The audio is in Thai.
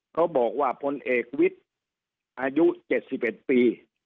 เขาบอกว่าพลเอกวิทย์อายุ๗๑ปี